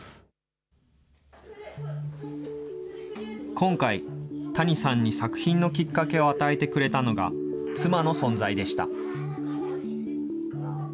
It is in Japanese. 今回、谷さんに作品のきっかけを与えてくれたのが、妻の存在でした。